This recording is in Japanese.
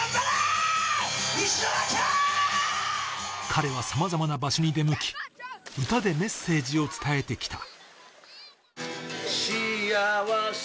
彼はさまざまな場所に出向き、歌でメッセージを伝えてきた。